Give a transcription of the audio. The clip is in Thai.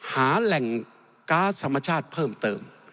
หาแหล่งก๊าซธรรมชาติเพิ่มเติม